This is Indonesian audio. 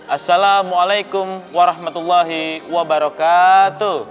assalamualaikum warahmatullahi wabarakatuh